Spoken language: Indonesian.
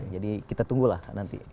jadi kita tunggulah nanti